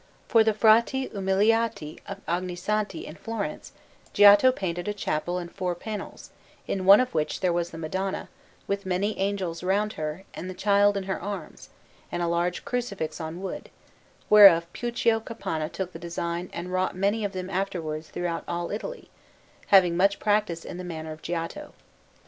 For the Frati Umiliati of Ognissanti in Florence, Giotto painted a chapel and four panels, in one of which there was the Madonna, with many angels round her and the Child in her arms, and a large Crucifix on wood, whereof Puccio Capanna took the design and wrought many of them afterwards throughout all Italy, having much practice in the manner of Giotto.